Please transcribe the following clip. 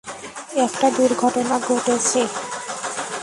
একটা দূর্ঘটনা ঘটেছে!